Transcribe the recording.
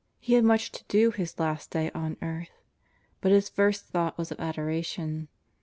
He had much to do his last day on earth. But his first thought was of adoration.